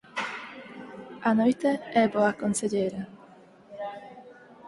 A noite é boa conselleira.